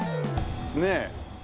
ねえ。